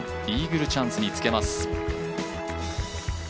イーグルチャンスにつけます。